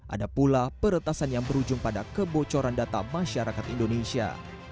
ada pula peretasan yang berujung pada kebocoran data masyarakat indonesia